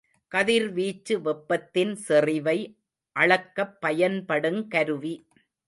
கதிர்வீச்சு வெப்பத்தின் செறிவை அளக்கப் பயன்படுங் கருவி.